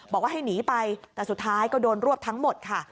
บอกว่าให้หนีไปแต่สุดท้ายก็โดนรวบทั้งหมดค่ะ